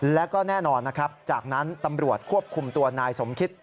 และก็แน่นอนจากนั้นตำรวจควบคุมตัวนายสมคิด